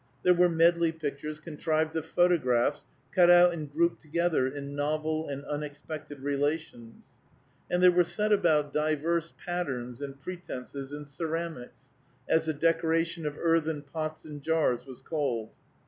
There were medley pictures contrived of photographs cut out and grouped together in novel and unexpected relations; and there were set about divers patterns and pretences in keramics, as the decoration of earthen pots and jars was called.